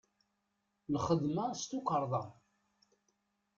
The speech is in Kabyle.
Lxedma-s d tukarḍa.